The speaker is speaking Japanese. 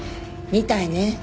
みたいね。